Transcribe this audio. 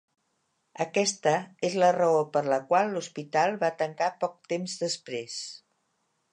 Aquesta és la raó per la qual l'hospital va tancar poc temps després.